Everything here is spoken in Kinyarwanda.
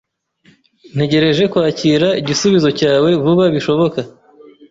Ntegereje kwakira igisubizo cyawe vuba bishoboka.